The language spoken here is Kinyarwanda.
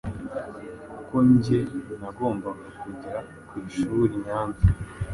kuko njye nagombaga kujya ku ishuri i Nyanza,